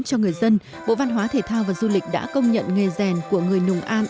cho người dân bộ văn hóa thể thao và du lịch đã công nhận nghề rèn của người nùng an